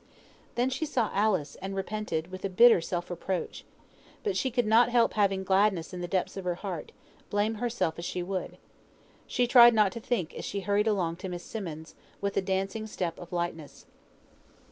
Then she saw Alice, and repented, with a bitter self reproach. But she could not help having gladness in the depths of her heart, blame herself as she would. So she tried not to think, as she hurried along to Miss Simmonds', with a dancing step of lightness.